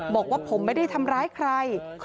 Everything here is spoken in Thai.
บอกว่าผมไม่ได้ทำร้ายใคร